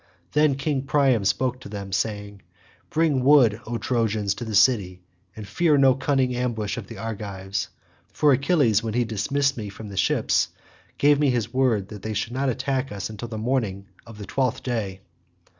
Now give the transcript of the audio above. Then King Priam spoke to them saying, "Bring wood, O Trojans, to the city, and fear no cunning ambush of the Argives, for Achilles when he dismissed me from the ships gave me his word that they should not attack us until the morning of the twelfth day."